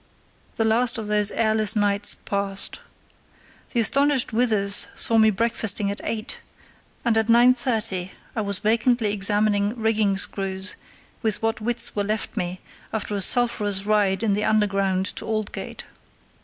The last of those airless nights passed. The astonished Withers saw me breakfasting at eight, and at 9.30 I was vacantly examining rigging screws with what wits were left me after a sulphurous ride in the underground to Aldgate.